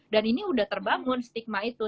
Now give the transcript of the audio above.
dan ini udah terbangun stigma itu